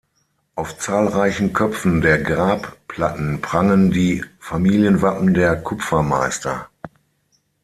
Auf zahlreichen Köpfen der Grabplatten prangen die Familienwappen der Kupfermeister.